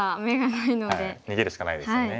逃げるしかないですよね。